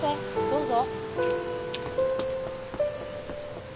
どうぞ。